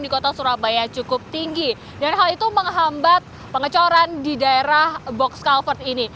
di kota surabaya cukup tinggi dan hal itu menghambat pengecoran di daerah box culvert ini